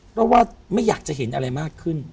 เพราะว่าไม่อยากจะเห็นอะไรมากขึ้น